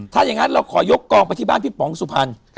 ถ้าอย่างนั้นเราขอยกกองไปที่บ้านพี่ป๋องสุพรรณ